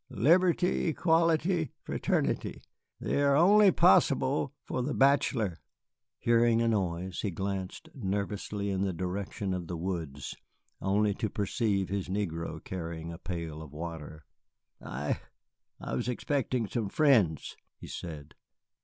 "Liberty, Equality, Fraternity, they are only possible for the bachelor." Hearing a noise, he glanced nervously in the direction of the woods, only to perceive his negro carrying a pail of water. "I I was expecting some friends," he said.